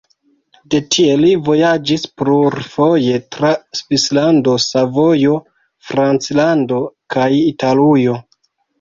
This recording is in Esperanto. De tie li vojaĝis plurfoje tra Svislando, Savojo, Franclando kaj Italujo.